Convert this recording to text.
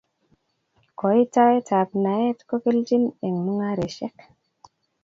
Koitaet ab naet kokelchin eng mung'areshek